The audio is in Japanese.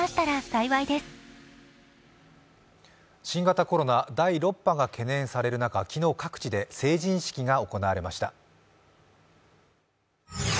新型コロナ第６波が懸念される中昨日、各地で成人式が行われました。